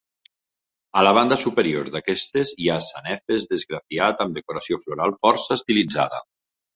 A la banda superior d'aquestes hi ha sanefes d'esgrafiat amb decoració floral força estilitzada.